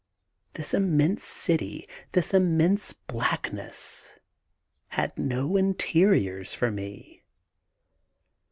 This immense city, this immense blackness, had no interiors for me.